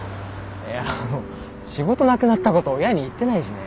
いやあの仕事なくなったこと親に言ってないしね。